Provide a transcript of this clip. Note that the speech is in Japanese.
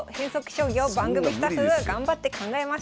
将棋を番組スタッフが頑張って考えました。